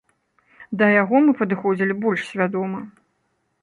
Да яго мы падыходзілі больш свядома.